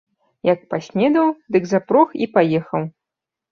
Як паснедаў, дык запрог і паехаў.